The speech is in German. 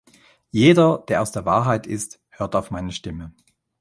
Jeder, der aus der Wahrheit ist, hört auf meine Stimme.